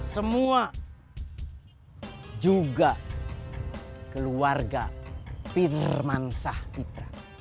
semua juga keluarga pirmansah pitra